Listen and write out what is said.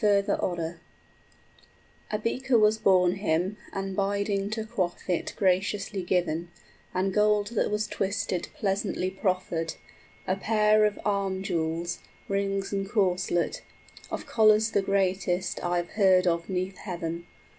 } A beaker was borne him, and bidding to quaff it Graciously given, and gold that was twisted Pleasantly proffered, a pair of arm jewels, Rings and corslet, of collars the greatest 5 I've heard of 'neath heaven.